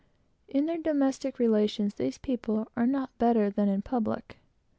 In their domestic relations, these people are no better than in their public.